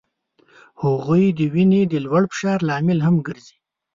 هغوی د وینې د لوړ فشار لامل هم ګرځي.